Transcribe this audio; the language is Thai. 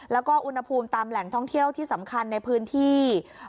แล้วก็อุณหภูมิตามแหล่งท่องเที่ยวที่สำคัญในพื้นที่